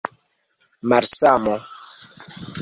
malsamo